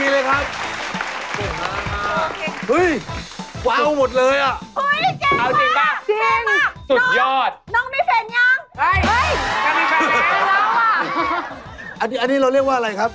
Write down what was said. นี่ชมแบบนี้เราเรียกว่าอะไรครับ